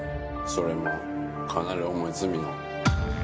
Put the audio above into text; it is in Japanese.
それも、かなり重い罪の。